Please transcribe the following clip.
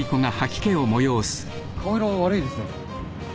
顔色悪いですね。